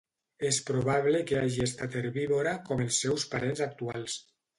És probable que hagi estat herbívora com els seus parents actuals.